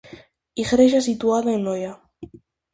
Igrexa situada en Noia.